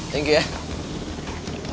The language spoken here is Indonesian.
terima kasih juga